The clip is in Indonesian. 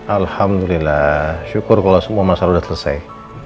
alhamdulillah syukur kalau semua masalah sudah selesai